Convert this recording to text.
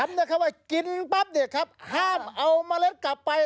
นะครับว่ากินปั๊บเนี่ยครับห้ามเอาเมล็ดกลับไป